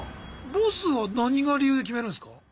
ボスは何が理由で決めるんすか？